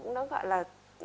nó gọi là